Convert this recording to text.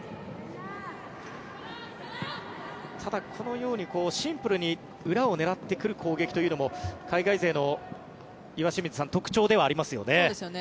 ただ、このようにシンプルに裏を狙ってくる攻撃というのも海外勢の岩清水さん特徴ではありますよね。